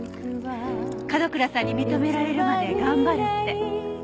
角倉さんに認められるまで頑張るって。